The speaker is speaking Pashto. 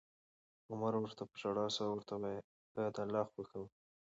عمر ورته په ژړا شو او ورته کړه یې: که د الله خوښه وه